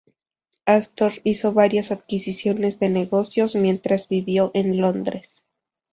Astor hizo varias adquisiciones de negocios, mientras vivió en Londres.